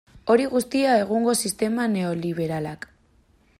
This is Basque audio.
Hori guztia egungo sistema neoliberalak.